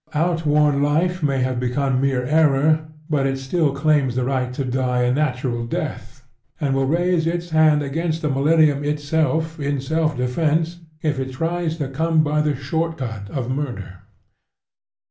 Outworn life may have become mere error; but it still claims the right to die a natural death, and will raise its hand against the millennium itself in self defence if it tries to come by the short cut of murder.